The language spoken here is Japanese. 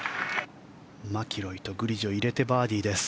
マキロイとグリジョ入れてバーディーパットです。